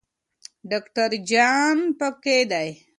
ډاکټر جان پکې دی.